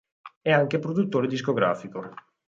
È anche produttore discografico.